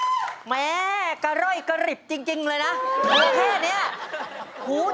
จบไปแล้วแม่กะเร่อยกะหริบจริงเลยนะหูตาแพลวมากเลยลูกเอ๋ย